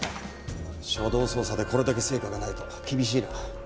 初動捜査でこれだけ成果がないと厳しいな。